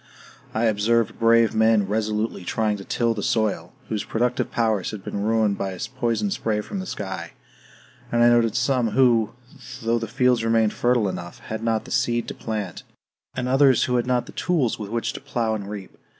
I observed brave men resolutely trying to till the soil, whose productive powers had been ruined by a poison spray from the sky; and I noted some who, though the fields remained fertile enough, had not the seed to plant; and others who had not the tools with which to plow and reap.